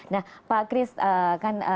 nah pak kris kan